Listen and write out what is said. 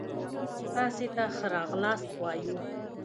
تاسي ته ښه را غلاست وايو